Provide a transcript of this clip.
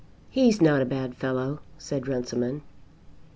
"He's not a bad fellow," said Runciman.